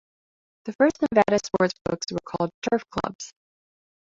The first Nevada sportsbooks were called Turf Clubs.